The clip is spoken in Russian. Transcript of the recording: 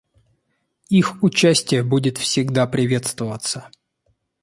Их участие будет всегда приветствоваться.